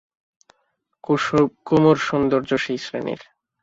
কুমুর সৌন্দর্য সেই শ্রেণীর।